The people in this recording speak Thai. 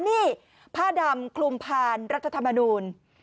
นี่ผ้าดำคลุมผ่านรัฐธรรมนูล